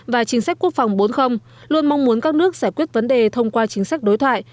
và chính sách quốc phòng bốn luôn mong muốn các nước giải quyết vấn đề thông qua chính sách đối thoại